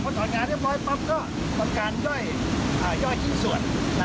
พอถอนงานเรียบร้อยปั๊บก็ทำการย่อยชิ้นส่วน